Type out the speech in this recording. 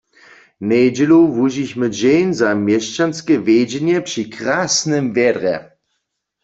Njedźelu wužichmy dźeń za měsćanske wjedźenje při krasnym wjedrje.